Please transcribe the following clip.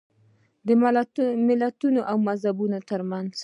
د ملتونو او مذهبونو ترمنځ.